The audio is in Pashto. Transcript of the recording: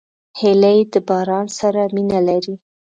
هیلۍ د باران سره مینه لري